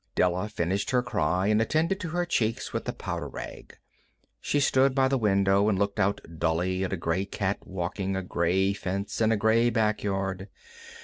Della finished her cry and attended to her cheeks with the powder rag. She stood by the window and looked out dully at a gray cat walking a gray fence in a gray backyard.